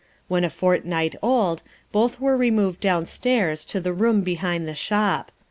When a fortnight old, both were removed downstairs to the room behind the shop.